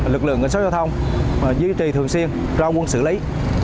lực lượng cảnh sát giao thông duy trì thường xuyên ra quân xử lý